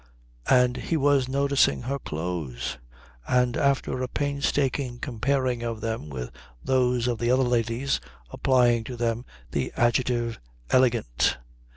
And he was noticing her clothes, and after a painstaking comparing of them with those of the other ladies applying to them the adjective elegant.